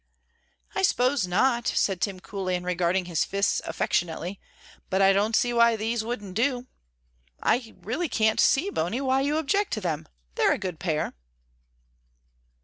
"I suppose not," said Tim, coolly, and regarding his fists affectionately, "but I don't see why these wouldn't do. I really can't see, Bony, why you object to them; they're a good pair."